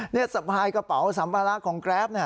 นี่สะพายกระเป๋าสัมภาระของแกรป